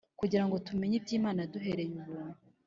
kugira ngo tumenye iby'Imana yaduhereye ubuntu,